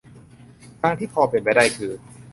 ทางที่พอเป็นไปได้คือ